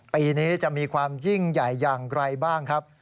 ปีนี้จะมีความยิ่งใหญ่อย่างไรบ้างครับ